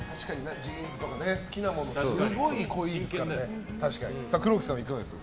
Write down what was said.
ジーンズとか好きなものにはすごいですからね。